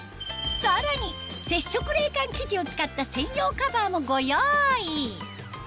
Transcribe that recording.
さらに接触冷感生地を使った専用カバーもご用意